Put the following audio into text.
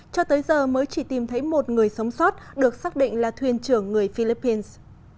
cho tới giờ mới chỉ tìm thấy một người sống sót được xác định là thuyền trưởng người philippines